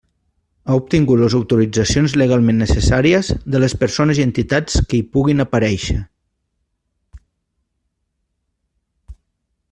Ha obtingut les autoritzacions legalment necessàries de les persones i entitats que hi puguin aparèixer.